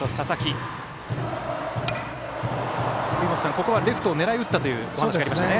ここはレフトを狙い打ったという感じでしたね。